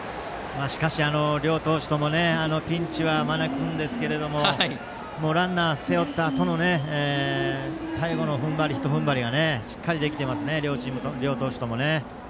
しかし、両投手ともピンチは招くんですけどランナー背負ったあとの最後の一踏ん張りがしっかりできていますね両投手。